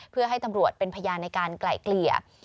เพื่อให้ตำรวจเป็นพยานในการไกล่เกลี่ย